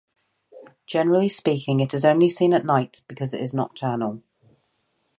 Generally speaking it is only seen at night, because it is nocturnal.